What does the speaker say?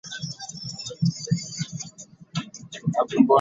It has sometimes been called the "older brother effect".